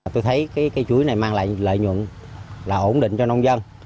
tôi thấy cái cây chuối này mang lại lợi nhuận là ổn định cho nông dân